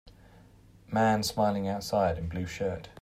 man smiling outside in blue shirt.